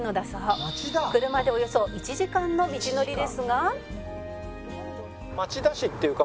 「車でおよそ１時間の道のりですが」